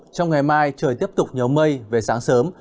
trong ngày mai trời tiếp tục nhớ mây về sáng sớm